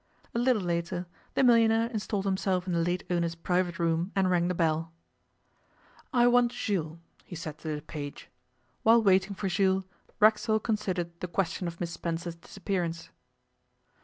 A little later, the millionaire installed himself in the late owner's private room and rang the bell. 'I want Jules,' he said to the page. While waiting for Jules, Racksole considered the question of Miss Spencer's disappearance.